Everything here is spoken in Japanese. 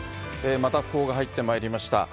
またふ報が入ってまいりました。